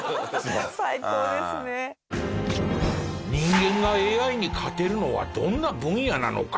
人間がＡＩに勝てるのはどんな分野なのか？